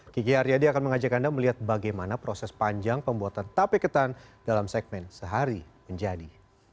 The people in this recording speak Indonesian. kiki aryadi akan mengajak anda melihat bagaimana proses panjang pembuatan tape ketan dalam segmen sehari menjadi